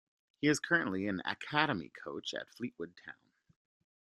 He is currently an academy coach at Fleetwood Town.